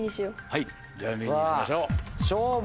はいじゃあＢにしましょう。